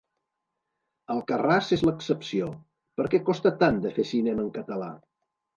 Alcarràs és l’excepció: per què costa tant de fer cinema en català?